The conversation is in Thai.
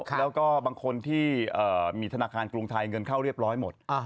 แล้วก็บางคนที่มีธนาคารกรุงไทยเงินเข้าเรียบร้อยหมด